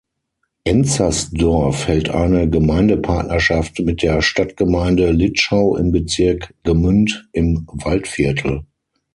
Enzersdorf hält eine Gemeindepartnerschaft mit der Stadtgemeinde Litschau im Bezirk Gmünd im Waldviertel.